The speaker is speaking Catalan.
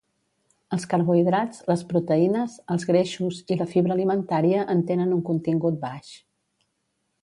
Els carbohidrats, les proteïnes, els greixos i la fibra alimentària en tenen un contingut baix.